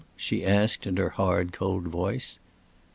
she asked, in her hard, cold voice.